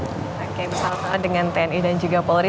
oke bersama dengan tni dan juga polri